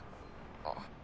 あっ。